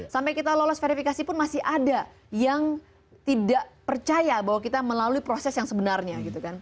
sampai kita lolos verifikasi pun masih ada yang tidak percaya bahwa kita melalui proses yang sebenarnya